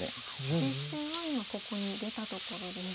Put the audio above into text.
実戦は今ここに出たところです。